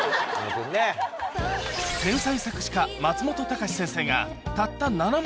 天才作詞家松本隆先生がたったさらに